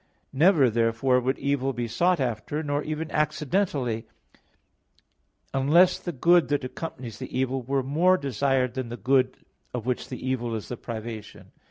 Never therefore would evil be sought after, not even accidentally, unless the good that accompanies the evil were more desired than the good of which the evil is the privation.